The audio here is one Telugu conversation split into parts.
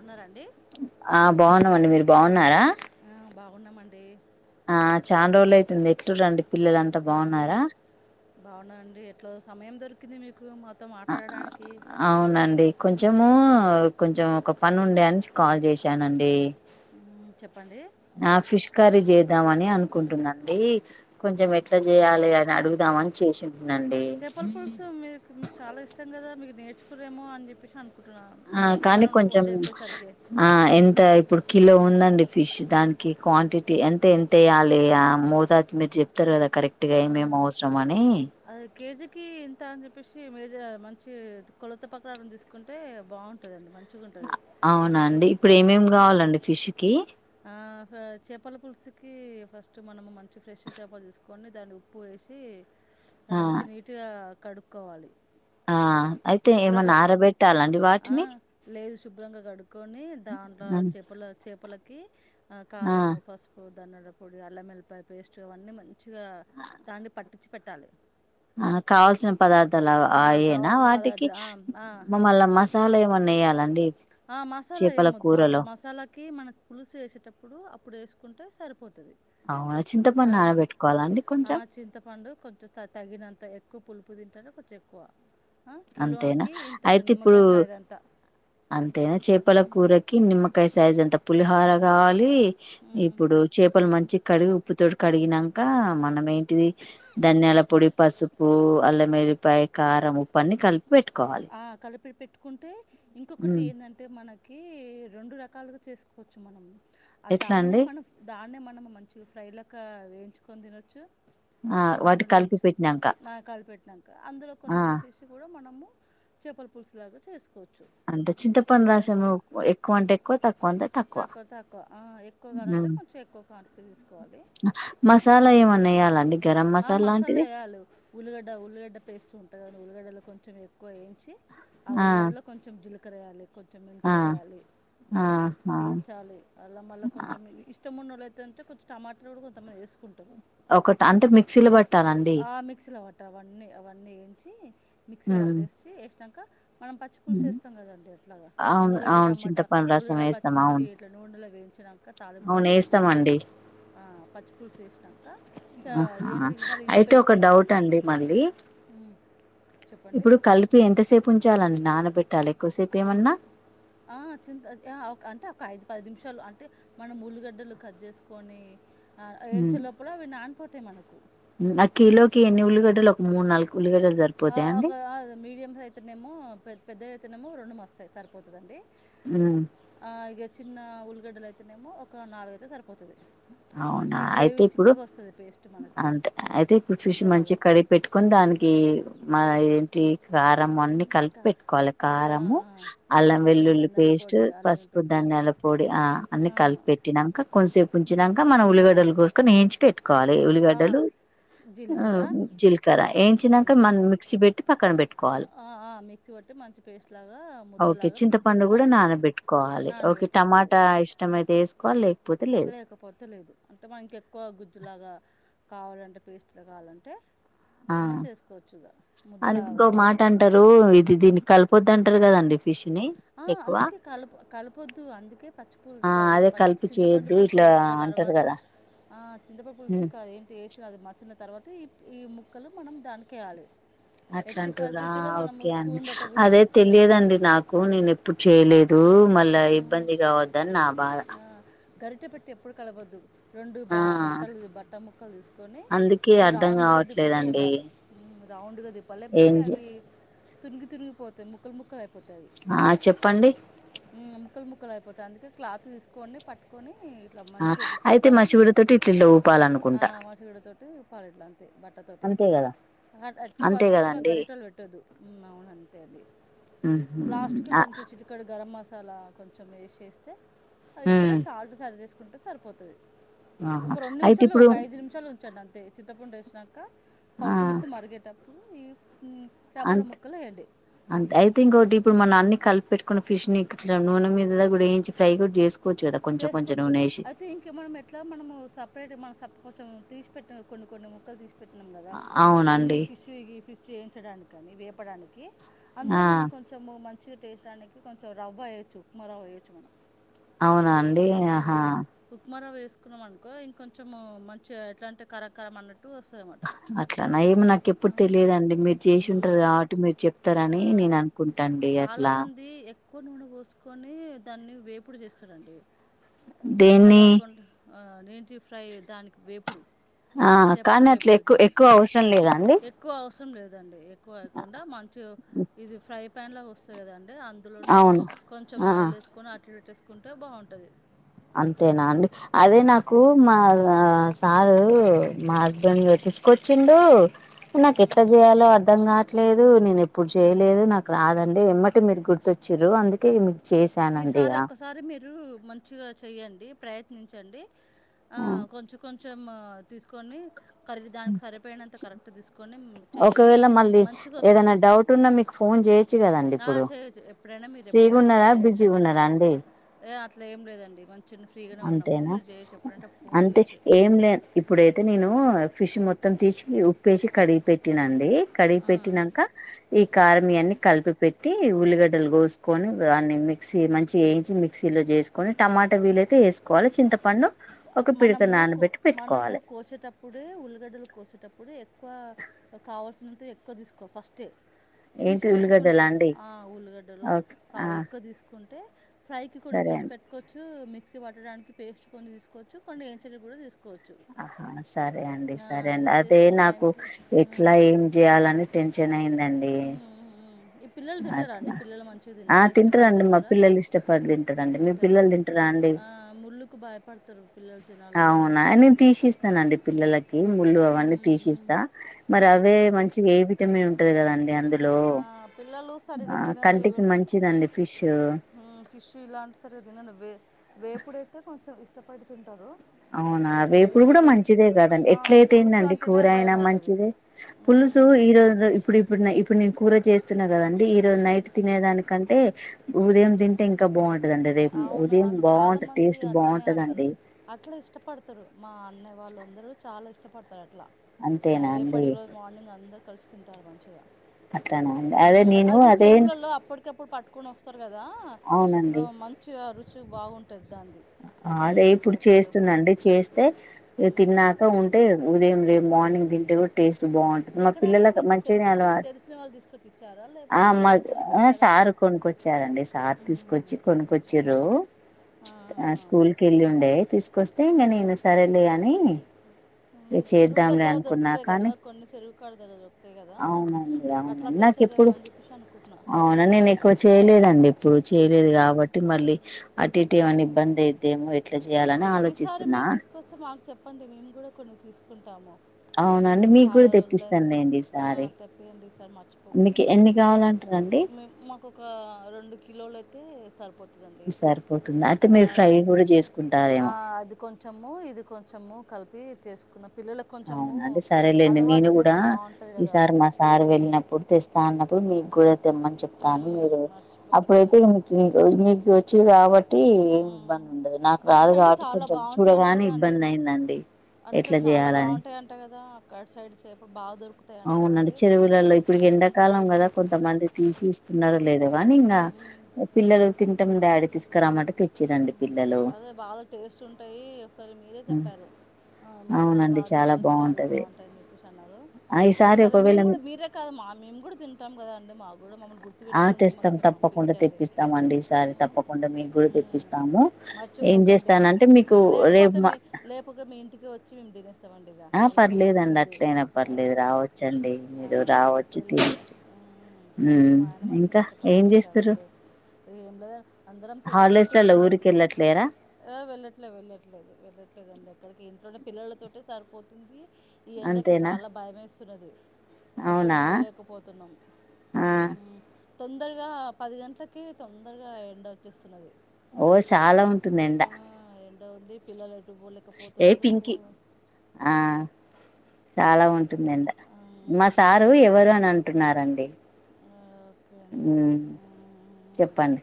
ఉన్నారా అండి ఆ బాగున్నామండి మీరు బాగున్నారా ఆ బాగున్నామండి ఆ చాన్ రోజులు అయితుంది ఎట్లుర్రాండీ పిల్లలంతా బాగున్నారా అవునా అండి ఎట్లా సమయం దొరికింది మీకు మా అవునండి కొంచెం మేముకొంచెం ఒక పని ఉండే అని కాల్ చేశానండి ఉమ్ చెప్పండి ఆ ఫిష్ కర్రీ చేద్దామ అని అనుకుంటున్నాండి కొంచెం ఎట్లా చేయాలి అని అడుగుదాం అని చేసిన చేపల పులుసు మీకు చాలా ఇష్టం కదా మీకు నేర్చ స్తరే నేమో అని చెప్పేసి అన్ ఆ కానీ కొంచెం ఆ ఎంత ఇప్పుడు కిలో ఉందండి ఫిష్ దానికి క్వాంటిటీ ఎంత ఎంతెయ్యాలే ఆ మోతాజ మీరు చెప్తారు కదా కరెక్ట్ గా ఆ, ఏమెమ్ అవసరం అని కీ ఇంత అని చెప్పేసి మజ మంచి కొలత ప్రకారం తీసుకుంటే బాగుంటుందండి మంచి అవునండి ఇప్పుడు ఏమేమి కావాలండి ఫిష్ కి ఆహ చేపల పులుసుకి ఫస్ట్ మనం మంచి ఫ్రెష్ చేపలు తీసుకొని దాన్ని ఉప్పు వేసి ఆ అది మంచి నీట్ గా కడుక్కోవాలి ఆ అయితే ఏమన్నా శుభ్రంగా ఆరబెట్టాలండి వాటిని దూరంగా కడుగు కొని దాట్ల చేప్పుల చేపల కీ నా ఆ కారము పసుపు ధానాల పొడి, అల్లంఏలిపాయ పేస్ట్ అవన్నీ మంచి పచ్చగా దాన్ని పట్ పచ్చి పెట్టాలి ఆ కావాల్సిన పదార్థాలు ఆ అయ్యోనా కావాల్సిన వాటికి పదార్థ ఆ, ఆ. మా మళ్ళా మసాలా ఏమన్నా వేయాలండి చీపల కూరలో కీ మనక్ పులుసు వేసేటప్పుడు అప్పుడు వేసుకుంటే సరిపోతు అవునా చింతపండు ఆ నానబెట్టుకోవాలా అండి ఆ కొంచెం చింతపండు కొంచం తగి తగినంత ఎక్కువ పులుప్ ఉప్పు తింటారు కొంచెం ఎక్కువ ఆ, అంతేనా కిలోకి ఇంత ఒక అయితే ఇప్పుడు నిమ్మకాయ సాయదంత అంతేనా చేపల కూరకి నిమ్మకాయ స్ సైజ్ అంతా పులిహోార కావాలి ఉమ్. ఇప్పుడు చేపలు మంచి కడిగి ఉప్పుతోోటి కడిగినాక మనం ఏంటిది ధనియాల పొడి, పసుపు, అల్లం ఎల్లిపాయ కారం ఉప్పు పన్ని కలిపి పెట్టుకోవాలి ఆ కలిపి పెట్ పెట్టుకుంటే ఇంకొకటి హ్మ్ ఏందంటే మన కి రెండు రకాలుగా చేసుకోవచ్చు మనం ఆ ఎట్లా దాన్నే అండి మనం దాన్నే మన ఒక మంచిగా ఫ్రై లాక వేయించుకొని తినొచ్చు ఆ వాటి నూనెలో కలిపి వేయించాక పెట్టినాక నా కాలు పెట్టినాక అందులో కొన్ని ఆ తీసేసి కూడా మనము చెపల పులుసు లాగా చేసు అంత చింత పండు రసం ఎక్కువంట ఎక్కువ తక్కువంటా తక్కువ. ఉ తెస్ తీసుకోవాలి ఏమన్నా వేయాలండి గరం ఆ మసాలా లాంటిది వేయాలి ఉల్లిగడ్డ ఉల్గడ్డ పేస్ట్ ఉ త్తగా ఉల్లిగడ్డులు కొంచెం ఎకు కోయించి ఆ ఉల్లిగడ్డలో కొంచెం జిల కడగాలే కొంచెం ఆ మెంతులు వేయ్యాలి, హ ఆహా వేయించాలి. అలా మళ్ళీ కొంచెం మీకు ఇష్టం ఉన్న వాళ్ళైతే దంచి కొంచం టమాటర్ కూడా కొంతమంది వేసుకు ఒకటి అంటే మిక్సీలు పట్టానండి అ అవన్నీ అవన్నీ వేయించి హ్మ్ చి ఏసినంక మనం పచ్చి పులుసు వేస్తాం కదండి అట్లాగా అవును ఉల్లిగడ్డ అవును టమాటా చింతపండు రసం ఉల్లిగడ్డ వేస్తాం పచ్చిమిర్చి అవును ఇట్లా నూనెలో వేయించినాంక తాలింపులా అవును వేయించానంక వేస్తామండి పచ్చి పులుసు వేసినంక చా ఆహా ఇదేంటి మళ్ళీ ఇవి అయితే పేస్ట్ ఒక చేయాలి డౌట్ అండి మళ్ళీ హ్మ్ చెప్పండి పి ఎంతసేపు ఉంచాల నానబెట్టాలి ఎక్కువసేపు ఏమన్నా ఆ చింత అంటే ఒక ఐదు పది నిమిషాలు అంటే మనం ఉల్లిగడ్డలు కట్ చేసుకొని ఆ, వేయించే హ్మ్ లోపల అవి నానిపోతాయి మనకు అ కిలోకి ఎన్ని ఉల్లిగడ్డలో ఆ ఒక మీడియం సైజతేనేమో పె పెద్ద త్తినము రెండు మస్తు సరిపోతుందండి హ్మ్ ఆ, ఇక చిన్న ఉల్లిగడ్డలు అయితేనేమో ఒక నాలుగైతే సరిపోతది అవునా అయితే ఇప్పుడు పేస్ట్ మనకి అంతే అయితే ఇప్పుడు ఫిష్ మంచి ముద్దలాగా కడిగి పెట్టుకొని దాని కి మద ఏంటి కారము అన్ని కలిపి ఇంకా పెట్టుకోవాలి ఆ, కారము ఆ, అల్లం పసుపు వెల్లుల్లి ధనియాల పేస్ట్ పొడి అల్లం పసుపు వెల్లిపాయ పేస్ట్ ధనియాల పొడి ఆ అన్ని ఆ, కలిపి పెట్టినంక ప- కొంతసేపు క మన ఉలిగడ్డలు కోసుకొని ఏయించి పెట్ కాాలి ఆ, ఉల్లిగడ్డలు జీలకర్ర జీలకర ఏంచినాక మెంతులు మన మిక్సీ పెట్టి పక్కన పెట్టుకోవాలి ఆ, ఆ, మిక్సీ పట్టి మంచి పేస్ట్ లాగా ఓకే ముద్దలాగా చింతపండు పెట్టి కూడా పట్టుకోవాలి నానబెట్టుకోవాలి ఓకే నానబెట్టుకోవాలి టమాటా ఇష్టం అయితే వేసుకోవాలి లే పోతేలేదు త్తలేదు అంటే మన ఇంకెక్కువ గుజ్జులాగా కావాలంటే పేస్ట్లు కావాలంటే ఆ మనం చేసుకోవచ్చు ఇక ముద్దలాగా అంత మాట కావాలంటే అంటారు ఇది దీని కలిపోద్దంటారు కదండి ఫిష్ ని ఆ ఎక్కువ అందుకే కలుపు కలపొద్దు అందుకే ఆ పచ్చిపుులుసు అదే పచ్చ కలిపి చింతపండు చేయొద్దు పులుసు ఇట్లా వేసిన అంటారు తర్వాత కదా ఆ చింతపడు పులుసు కాద ఏంటి వేసిన అది మచ్చిన తర్వాత ఈ ముక్కలు మనం దానికేయాలే అట్లా అంటుర్రా ఓకే అండి స్పూన్ పెట్టకూడదు అదే తెలియదండి నాకు నేను ప్పుడు చేయలేదు మళ్ళా ఇబ్బంది కావద్దని నా బాధ ఆ గరిటె పెట్టి ఎప్పుడు కలవొద్దు రెండు బ ఆ బట్టలు బట్ట ముక్కలు తీసుకొని అందుకే ఇట్లా అర్ధం రౌండ్గా తిప్పుతూ కావట్లేదండి ఉండాలి హ్మ్ రౌండ్గా ప్పాలి లేకపోతే ఏం అవి తునిగి తునిగి పోతాయి ముక్కలు ముక్కలు అయిపోతయి ఆ చెప్పండి ముక్కలు ముక్కలు అయిపోతే అందుకే క్లాత్ తీసుకు కొని పట్టుకొని ఇట్లా ఆ మంచిగ ఇట్లా అయితే తిప్పాలింతే మసివిడ తోటి ఇట్ల ఇట్లా ఆ ఊపాలనుకుంటా మసిగుడతోటి తిప్పాలి ఇట్లా అంతే బట్టతోటి అంతే కదా ఎట్టి అంతే పరిస్థితుల్లో కదండి గరిటెలు పెట్టొద్దు హ్మ్ అవున అంతే అండి ఉహు లాస్ట్ కి ఆ కొంచెం చిట్టుకాడు గరం మసాలా అలా కొంచెం వేసేస్తే ఉ ఇప్పుడే సాల్ట్ సరి చేసుకో కుంటే సరిపోతుది ఒక ఆహా రెండు అయితే నిమిషాలు ఇప్పుడు ఒక ఐదు నిమిషాలు ఉంచండి అంతే చింతపండు వేసిన ఇంక ప పులుసు మరిగేటప్పు ఆంట్ వేయండి అంతే ఐ థింక్ ఒకటి ఇప్పుడు మన అన్ని కలిపి పెట్టుకున్న ఫిష్ ని ఇట్లా నూనె మీద కూడా వేయించి ఫ్రై కూడా చేసు చేసుకోవచ్చు అయితే ఇంక మనం ఎట్లా మనము సపరేట్ మన సెపరేట్ కొంచెం తీసి పెట్ కొన్ని కొన్ని ముక్కలు తీసి పెట్టు పెట్టినాం కదా అన్నీ అవునండి ఫిష్ ఈ ఫిష్ చేయించడానికి కాని వేపడానికి కి ఆ అందులో మనం కొంచెం మంచిగ టేస్టరానికి కొంచెం రవ్వ ఎయొచ్చు ఉప్మా రవ్వ వేయొచ్చు మనం అవునా అండి ఆహా తీసుకున్నాం అనుకో ఇంకొంచం మంచి గా ఎట్లాంటి కారకర మన్నాటు అట్లాన ఏమో నాకు ఎప్పుడు ఆ! తెలియదండి మీరు చేసి ఉంటారు హ్మ్. కాబట్టి మీరు చెప్తారని ఆ! నేను అనుకుంటాండి అట్లా చాలామంది ఎక్కువ నూనె పోసుకొని దాన్ని వేపుడు చేసి చరడి [unintelligible] అట్లా దేన్ని కాకుండా ఏంటి ఫ్రై దానికి వేపుడు ఆ చేపల కానీ అట్లా వేపుడు ఎక్కువ ఎక్కువ చేస్తుంటే అవసరం లేదా అండి ఎక్కువ అవసరం లేదండి ఎక్కువ అవకుండా మంచిగ ఇది ఫ్రై ప్యాన్ లో పోస్తా కదా అందులోని అవును కొంచెం ఆ ఆయిల్ వేసుకొని అటు ఇటు కుంటే బాగుంటది అంతేనా అండి అదే ఆ! నాకు మాఆ కాదు మ [unintelligible] తీసుకొచ్చి [unintelligible] ఇనా హ్మ్. కెట్లా చేయ్యాలో అర్ధంగాట్ లేదు నేను ఎప్పుడు చేయలేదు నాకు రాదండి ఎమ్మటే మీరు గుర్తొచ్చిర్రు అందుకే [inaudible] చేశానండీ ఆ రు మంచిగా చెయ్యండి ప్రయత్నించండి ఆ కొంచెం కొంచ్ కొంచం ఆ తీసుకొని కర్రీ దానికి సరిపోయినంత కరెక్ట్ తీసుకొని చేయండి ఒకవేళ మళ్ళీ మంచిగొస్తది ఏదైనా డౌట్ ఉన్నా మీకు ఫోన్ చేయొచ్చు కదండి చేయచ్చు ఎప్పుడైనా మీరు ఎప్పుడంటే అప్పుడు [unintelligible] చేయొచ్చండి బిజీగున్నరా అండి ఏ అట్లా ఏం లేదండి మం అంతేనా ఫోన్ అంతే చేయొచ్చు ఏం లే ఇప్పుడైతే నేను ఫిష్ మొత్ త్తం తీసి ఉప్పుప్పేసి కడిగి పెట్ పట్టినండి కడిగి ఆ. పెట్టినాక ఈ కారం ఇయన్ని కలిపి పెట్టి ఉల్లిగడ్ డ్డలు కోసుకొని దాన్ని మి క్సీ మంచి ఏయించి మిక్సీలో చేసుకొని టమాటా వీలై తే వేసుకోవాలి చింతపండు ఒక పిడక మనము కో నానబెట్టి మనము పెట్టుకోవాలి కోసేటప్పుడే ఉల్లిగడ్డలు కోసేటప్ ఇప్పుడు ఎక్కువ కావాల్సినంత ఎక్కువ తీసుకోవాలి ఫస్టే తీసి ఏంటి పెట్టుకుంటే ఉల్లిగడ్డలా అండి ఆ ఉల్లిగడ్డలు ఓకే ఆ ఎక్కువ తీసుకు కుంటే ఫ్రై కి కొన్ని సరే తీసి అండి పెట్టుకోవచ్చు మిక్సీ పట్టడానికి పేస్ట్ కొన్ని తీసుకో కోచ్చు కొన్ని ఏంచినవి కూడా తీసుకోవ ఆహా సరే అండి సరే అండి ఇది అదే చేస్తే నాకు టైంకి ఎట్లా ఏం చేయాలని టెన్షన్ అయిందండి ఈ పిల్లలు తింటారా అట్లా అండి పిల్లలు మంచిగా ఆ తింటారా ఇష్టపడి తింటారండి మా తింటారా పిల్లలు ఇష్టపడి తింటారండి మీ తింటారా పిల్లలు అండి ఆ ముళ్ళుకు భాయపడు పిల్లల్ అవునా నేను తీసి ఇస్తానండి పిల్ల కి ముళ్ళు అవన్నీ మ్మ్. తీసిస్తా మరి అవే మం చి ఏ విటమిన్ ఉంటది కదండి అందులో ఆ పిల్లలు సరిగ్గా ఆ తినరు కంటికి ఈవెన్ మంచిదండి ఫిష్ హు ఫిష్ ఇలాంటి సరిగ్గా తినరు వేపుడయితే కొంచెం ఇష్టపడి తింటరు అవునా అదే ఇప్పుడు కూడా మంచిదే కాదండి ఆ, ఏట్ల అయితే ఏంది పులుసు అండి అంటేనే కూర అయినా భయం అవుతుంది మంచిదే పులుసు ఈ రోజు ఇప్పుడు నిన్న ఇప్పుడు నేను కూర చేస్తున్నా కదండి ఈ రోజు నైట్ తినేదానికంటే ఉదయం తింటే ఇంకా బాగున్ ఉంటదండి. రేపు అవును ఉదయం అండ్ బాగుంటంది చాలామంది టేస్ట్ అట్లనే అంటారు బాగుంటదండి అట్లా ఇష్టపడతారు మా అన్న వాళ్ళు అందరూ చాలా ఇష్టపడు తారు అట్లా న అంతేనా అండి రేపటికి రోజు మార్నింగ్ అందరు కలసి తింటారు మంచిగా అట్లనా అండ్ అదే నేను అదేటు కప్పుడు పట్టుకొని వస్తాడు కదా ఆ మం కుర రుచు బాగుంటది అదే ఇప్పుడు చేస్తున్న అండి చేస్తే తిన్నాక ఉంటే ఉదయం లేప్ మార్నింగ్ తింటే గుడు టేస్ట్ బాగుటది మా ఎక్కడంటే పిల్లలకు మీకు మంచిగానే తెలిసిన ఆ తెలిసిన వాళ్ళు తీసుకొచ్చి ఇచ్చారా లేకపోతే ఆమ్ మీరు ఆ కొనుక్కొచ్చారా సారు కొనుక్కొచ్చారండి సార్ మ్మ్, తీసుకొచ్చి కొనుక్కొచ్చారా కొనుకొచ్చిరు ఆ, ఆ. స్కూల్ కెళ్ళి ఉండే తీసుకొస్తే ఇంగ నేను నేను సరే లే అని ఇ మ్మ్, చెరువు చేద్దాంలే దగ్గర అనుకున్నా దొరుకుతాయి కదా కానీ కొన్ని చెరువు కాడ దగ్గర దొరుకుతాయి కదా అవునండి అట్లా అవునండి నాకెప్పుడు తెచ్చారేమో అని చెప్పేసి అనుకుంటున్నా అవున నేను ఎక్కువ చేయలేదండి. ఇప్పుడు చేయలేదు కాబట్టి మళ్ళీ అటు ఇటు ఏవన్న దేదేమో ఇట్లు ఈసారి మీరు తీసుకొస్తే మాక్ చెప్పండి మేము కూడా కొన్ని తీసుకున్ తామో అవునండి మీక్ కూడా తెప్పిస్తాను. లేండి ఈ సారి సర్ మర్చిపోకుండ తెప్పియండి. మేము మాకు ఒక రెండు కిలోలు అయితే సరుపోదు సర్ పోతుంది అయితే మీరు ఫ్రై కూడా చేసుకుంటారు ఆ అది కొంచము ఇది కొంచము కలుప్ వీర్ చేసుకున్నాం అవునండి సరేలేండి నేను కూడా చేస్తే బాగుంటుంది కదా ఈసారి అండి మా సార్ వెళ్ళినప్పుడు తెస్తా అన్న ప్పుడు మీక్ కూడా తెమ్మని చెపుతా కానీ మీరు ఉమ్, మర్చిపోకుండా అప్పుడైతే మీకీ మీకు వచ్చు కాబట్టి ఉమ్, ఏమి ఉమ్. ఇబ్బంది ఉండదు నాకు అటు రాదు సైడ్ కాబట్టి చాలా కొంచెం బాగుంటాయంట చూడగానే కదా అండి ఇబ్బంది అయిందండి ఎట్ల జేయాలని ఉంటాయి. యంట కదా అక్కడ సైడ్ చేప బాగా దొర్కు అవునండి చెరువులలో ఇప్పడికి ఎండాకాలం కదా కొంతమంది తీసి నర్ లేదు గానీ ఇంగా ఉమ్, ఉమ్. అ పిల్లలు తింటము డాడీ తీస్ అదే బాగా టేస్ట్ ఉంటయి ఒక్ సారి మీరే హ్మ్. చెప్పారు మసాలా బా అవునండి తీసుకొని చాలా బాగుంటది బాగుంటాయిని చెప్పేసి అన్నారు ఆ ఈసారి సరే ఒకవేళ మేమ్ కూడా మీరే కాదు మా మేమ్ కూడా తింటాం కదా అండి ఆ తెస్తాం తప్పకుండా పంపించండి తెప్పిస్తామండి ఈసారి ఉమ్, తప్పకుండా మీ గుర్ ఉమ్, తెప్పిస్తాము ఏం మర్చిపోకండి చేస్తానంటే మీకు రేపు లేకపోతే మా ఇస్తమండి ఇక ఆ మీరేమన్నా పర్లేదండి అనుకోండి అట్లయినా పర్లేదు రావచ్చండి ఆ మీరు రావచ్చు పిల్లలు తినొచ్చు మంచి ఉమ్ మా ఆయన మంచిగ ఇంకా ఇష్టపడి ఏం చేస్తుర్రు తింటాడంటే ఏం లేదన్ అందరం తినేసి హాలిడేస్ లలో కూర్చున్నాం ఊరికి వెళ్ళట్లేరా ఆ వెళ్ళట్లే వెళ్ళట్లేదు వెళ్లట్లేదండి ఇక్కడికి ఇంట్లోనే పిల్లలతోటె సరిపోతుంది ఈ ఎండకు అంతేనా చాలా భయం వేస్తుంది స్తున్నది ఎక్కడ అవునా వెళ్ళలేకపోతున్నాం ఆ తొందరగా పది గంటలకి తొందరగా ఎండవచ్చు చేస్తున్నది ఓ చాలా ఉంటుందిండ ఎండ ఉంది పిల్లలు ఎటు ఏ పోలేకపోతున్నారు పింకి ఆ చాలా ఉంటుందం మా సారు ఎవరు అని అంటున్నారండి ఇంగా ఓకే అండి మ్మ్ ఆ చెప్పండి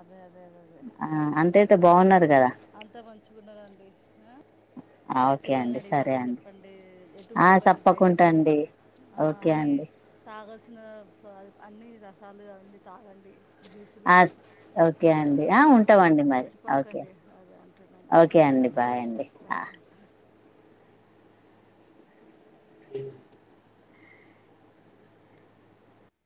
అదే అద్ దే దే అదే ఆ అంతయితే మ్మ్ బాగున్నారు కదా అంతా మంచిగున్నారండి. ఆ ఆ ఓకే పిల్లల్ని అండి సరే అడిగినట్టు అండి చెప్పండి ఎటు ఆ పోకండి తప్పకుండా బయటికి అండి ఆ ఓకే అన్ని అండి తాగాల్సిన అన్ని చాలుగా అండి తాగండి ఆ జ్యూసులన్నీ ఒకే అండి ఆ ఉంటావండి మరి ఒకే మర్చిపోకండి అదే అంటున్నాండి ఒకే అండి ఓకే, బాయ్ అండి బాయ్ ఇ